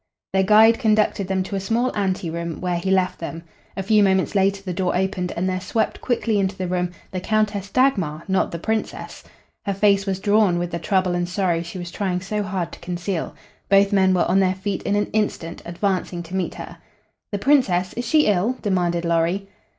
Their guide conducted them to a small anteroom, where he left them. A few moments later the door opened and there swept quickly into the room the Countess Dagmar, not the Princess. Her face was drawn with the trouble and sorrow she was trying so hard to conceal. Both men were on their feet in an instant, advancing to meet her. "The Princess? Is she ill?" demanded Lorry.